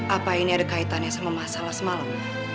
apa ini ada kaitannya sama masalah semalam